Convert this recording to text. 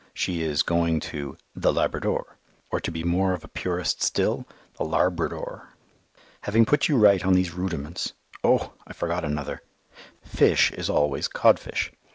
She is going to "the Labrador," or, to be more of a purist still, "the Larbadore." Having put you right on these rudiments oh! I forgot another: "Fish" is always codfish.